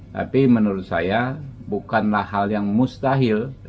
tapi menurut saya bukanlah hal yang mustahil